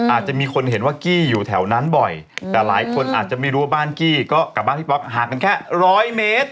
อาจจะมีคนเห็นว่ากี้อยู่แถวนั้นบ่อยแต่หลายคนอาจจะไม่รู้ว่าบ้านกี้ก็กลับบ้านพี่ป๊อกห่างกันแค่ร้อยเมตร